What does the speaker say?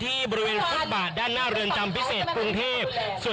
ที่บริเวณฟุตบาทด้านหน้าเรือนจำพิเศษกรุงเทพ